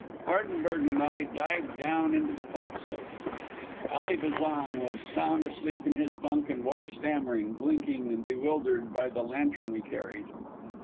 Hardenberg and I dived down into the fo'c's'le. Ally Bazan was sound asleep in his bunk and woke stammering, blinking and bewildered by the lantern we carried.